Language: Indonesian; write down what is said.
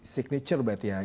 signature bapak tia